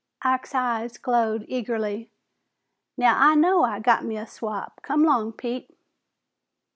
Ike's eyes glowed eagerly. "Now I know I got me a swap! Come 'long, Pete."